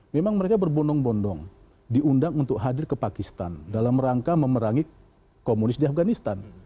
memang mereka berbondong bondong diundang untuk hadir ke pakistan dalam rangka memerangi komunis di afganistan